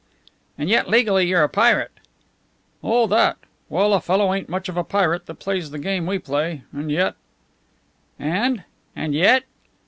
"And yet legally you're a pirate." "Oh, that? Well, a fellow ain't much of a pirate that plays the game we play. And yet " "Ah! And yet?"